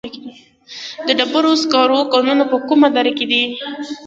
د ډبرو سکرو کانونه په کومه دره کې دي؟